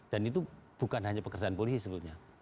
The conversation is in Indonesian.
dan itu bukan hanya pekerjaan polisi sebetulnya